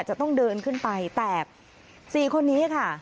จะต้องเดินขึ้นไปแต่๔คนนี้ค่ะ